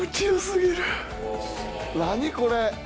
何これ。